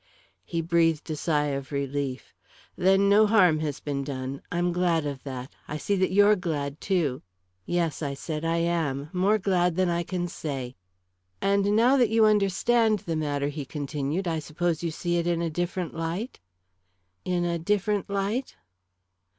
He breathed a sigh of relief. "Then no harm has been done. I'm glad of that. I see that you're glad, too." "Yes," I said; "I am more glad than I can say." "And now that you understand the matter," he continued, "I suppose you see it in a different light?" "In a different light?"